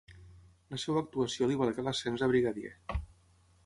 La seva actuació li valgué l'ascens a brigadier.